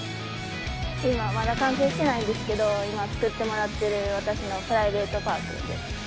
今はまだ完成してないんですけど、今作ってもらってる私のプライベートパークです。